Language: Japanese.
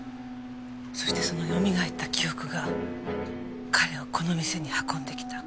そしてそのよみがえった記憶が彼をこの店に運んできた。